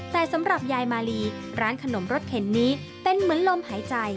แต่สำหรับยายมาลีร้านขนมรสเข็นนี้เป็นเหมือนลมหายใจ